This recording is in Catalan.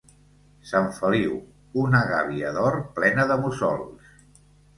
Sant Feliu: una gàbia d'or plena de mussols.